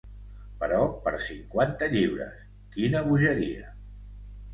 Però per cinquanta lliures, quina bogeria!